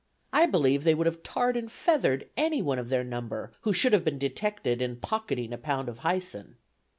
I believe they would have tarred and feathered anyone of their number who should have been detected in pocketing a pound of Hyson."